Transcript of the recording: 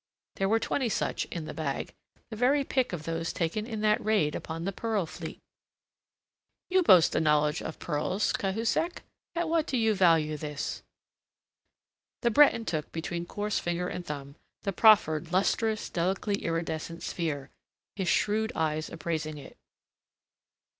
There were twenty such in the bag, the very pick of those taken in that raid upon the pearl fleet. "You boast a knowledge of pearls, Cahusac. At what do you value this?" The Breton took between coarse finger and thumb the proffered lustrous, delicately iridescent sphere, his shrewd eyes appraising it.